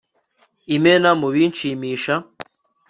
imena mu binshimisha